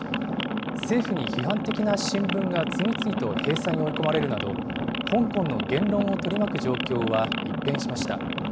政府に批判的な新聞が次々と閉鎖に追い込まれるなど、香港の言論を取り巻く状況は一変しました。